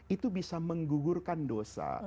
itu bisa menggugurkan dosa